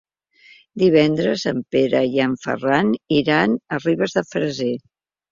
Divendres en Pere i en Ferran iran a Ribes de Freser.